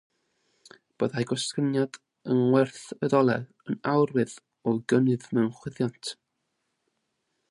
Byddai gostyngiad yng ngwerth y ddoler yn arwydd o gynnydd mewn chwyddiant.